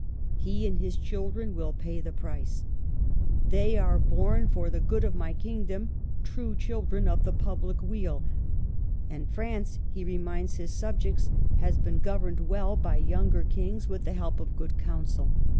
He and his children will pay the price, "" They are born for the good of my kingdom, — true children of the public weal ;" and France, he reminds his subjects, has been governed well THE CAPTIVITY. 105 by younger kings with the help of good counsel.